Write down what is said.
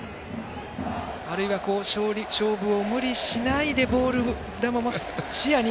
あるいは、勝負を無理しないでボール球を視野に。